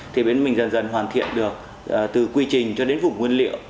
thì bên mình dần dần hoàn thiện được từ quy trình cho đến vùng nguyên liệu